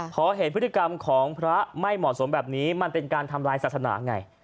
พอเห็นพฤติกรรมของพระไม่เหมาะสมแบบนี้มันเป็นการทำลายศาสนาไง